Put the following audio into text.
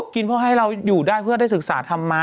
เพราะให้เราอยู่ได้เพื่อได้ศึกษาธรรมะ